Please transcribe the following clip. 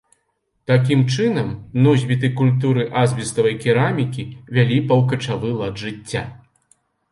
Такім чынам, носьбіты культуры азбеставай керамікі вялі паўкачавы лад жыцця.